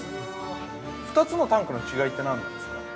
◆２つのタンクの違いって、何なんですか。